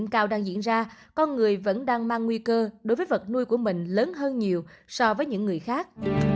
con người vẫn đang mang nguy cơ đối với vật nuôi của mình lớn hơn nhiều so với những người khác